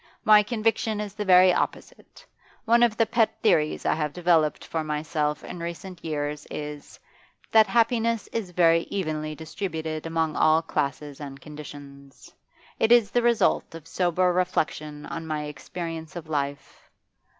'My conviction is the very opposite. One of the pet theories I have developed for myself in recent years is, that happiness is very evenly distributed among all classes and conditions. It is the result of sober reflection on my experience of life.